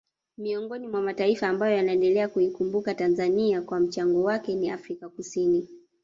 Miongoni mwa mataifa ambayo yanaendelea kuikumbuka Tanzania kwa mchango wake ni Afrika Kusini